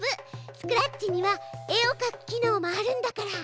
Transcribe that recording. スクラッチには絵を描く機能もあるんだから。